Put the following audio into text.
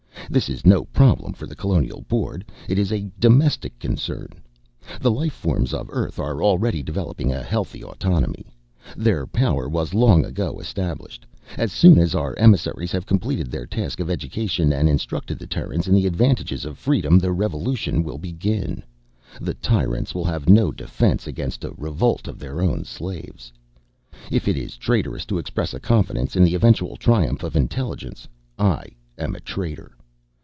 This is no problem for the Colonial Board. It is a domestic concern. The life forms of Earth are already developing a healthy autonomy. Their power was long ago established. As soon as our emissaries have completed their task of education and instructed the Terrans in the advantages of freedom, the Revolution will begin. The tyrants will have no defense against a revolt of their own slaves. If it is traitorous to express a confidence in the eventual triumph of intelligence, I am a traitor.